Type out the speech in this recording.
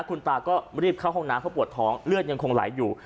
คุณตาก็รีบเข้าห้องน้ำเพราะปวดท้องเลือดยังคงไหลอยู่